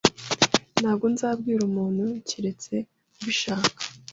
Ntabwo nzabwira umuntu keretse ubishaka.